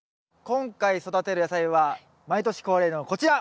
今回育てる野菜は毎年恒例のこちら！